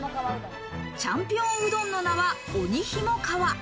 チャンピオンうどんの名は、鬼ひも川。